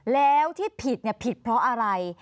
แล้วที่ผิดผิดเพราะอะไร